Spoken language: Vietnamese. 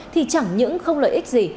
thì chẳng những không lợi ích gì